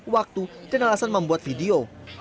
waktu dan alasan membuat video